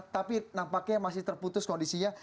tapi nampaknya masih terputus kondisinya